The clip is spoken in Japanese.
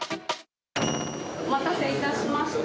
お待たせいたしました。